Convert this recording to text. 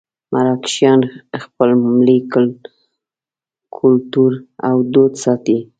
مراکشیان خپل ملي کولتور او دود ساتي.